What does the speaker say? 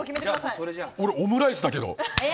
俺、オムライスだけれど。